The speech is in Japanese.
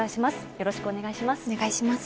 よろしくお願いします。